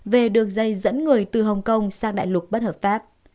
về đường dây dẫn người từ hồng kông sang đại lục bất hợp pháp